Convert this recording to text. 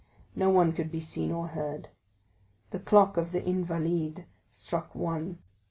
No one could be seen or heard. The clock of the Invalides struck one.